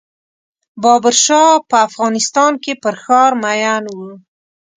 بابر شاه په افغانستان کې پر ښار مین و.